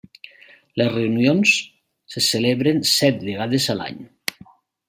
Les reunions se celebren set vegades a l'any.